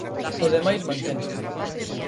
O demais mantense.